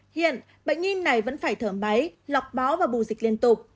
hiện bệnh nhi này vẫn phải thở máy lọc máu và bù dịch liên tục